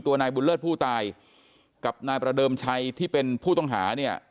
นายบุญเลิศผู้ตายกับนายประเดิมชัยที่เป็นผู้ต้องหาเนี่ย